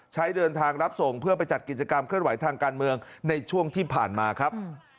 ใช้เดินทางรับส่งเพื่อไปจัดกิจกรรมเคลื่อนไหวทางการเมืองในช่วงที่ผ่านมาครับ